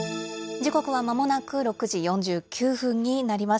時刻はまもなく６時４９分になります。